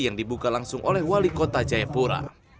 yang dibuka langsung oleh wali kota jayapura